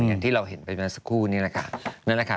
อย่างที่เราเห็นไปมาสักครู่นี่แหละค่ะ